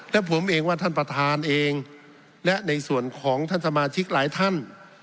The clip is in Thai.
และผมเองว่าท่านประธานเองและในส่วนของท่านสมาชิกหลายท่าน